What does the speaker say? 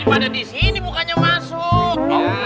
ini ngapain jadi pada disini mukanya masuk